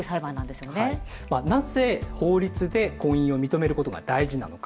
まあなぜ法律で婚姻を認めることが大事なのか。